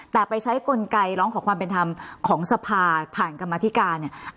แต่ไปใช้กลไกร้องขอความเป็นธรรมของสภาผ่านกรรมธิการเนี่ย